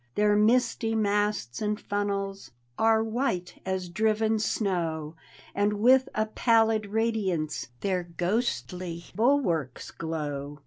Their misty masts and funnels Are white as driven aiow. And with a pallid radiance Their ghostly bulwarks glow.